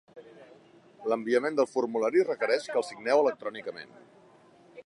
L'enviament del formulari requereix que el signeu electrònicament.